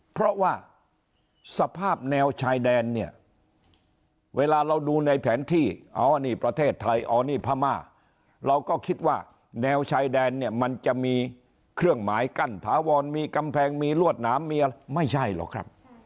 เพราะว่าสภาพแนวชายแดนเนี่ยเวลาเราดูในแผนที่อ๋อนี่ประเทศไทยอ๋อนี่พม่าเราก็คิดว่าแนวชายแดนเนี่ยมันจะมีเครื่องหมายกั้นถาวรมีกำแพงมีรวดหนามมีอะไรไม่ใช่หรอกครับ